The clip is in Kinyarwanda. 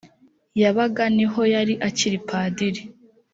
yabaga ni ho yari akiri padiri